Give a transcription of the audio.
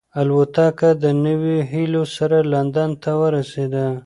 الوتکه د نویو هیلو سره لندن ته ورسېده.